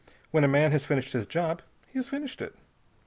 When a man has finished his job, he has finished it.